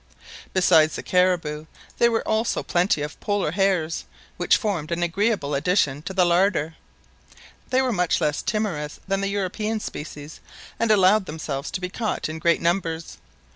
Besides the caribous, there were also plenty of Polar hares, which formed an agreeable addition to the larder. They were much less timorous than the European species, and allowed themselves to be caught in great numbers.